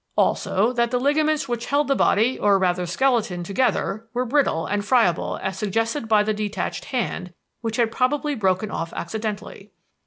Also that the ligaments which held the body or rather skeleton together were brittle and friable as suggested by the detached hand, which had probably broken off accidentally.